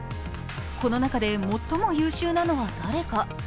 この中で、最も優秀なのは誰か。